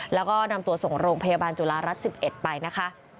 แล้วก็นำตัวส่งโรงพยาบาลจุฬารัฐ๑๑ไปนะคะ